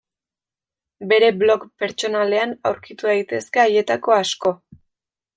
Bere blog pertsonalean aurkitu daitezke haietako asko.